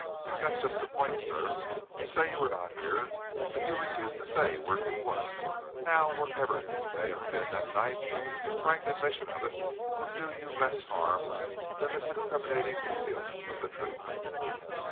"That's just the point, sir. You say you were not here, but you refuse to say where you were. Now, wherever you may have been that night, a frank admission of it will do you less harm than this incriminating concealment of the truth."